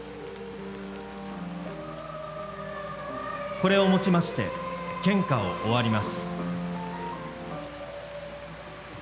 これをもちまして献花を終わります。